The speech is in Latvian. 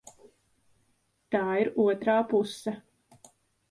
Tā ir otrā puse.